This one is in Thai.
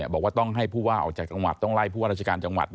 บอกว่าต้องให้ผู้ว่าออกจากจังหวัดต้องไล่ผู้ว่าราชการจังหวัด